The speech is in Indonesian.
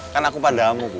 kan aku padamu bu